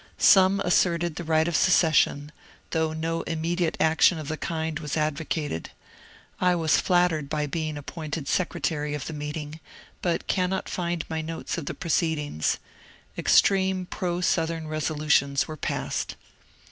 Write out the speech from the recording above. Some asserted the right of secession, though no immediate action of the kind was advocated. I was flattered by being appointed secretary of the meeting, but cannot find my notes of the proceedings. Extreme pro southern resolutions were passed.